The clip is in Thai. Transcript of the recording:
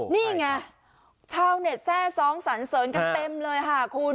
นี่ไงชาวเน็ตแทร่ซ้องสันเสริญกันเต็มเลยค่ะคุณ